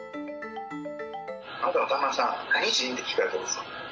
あなたの旦那さん、何人？って聞かれたんです。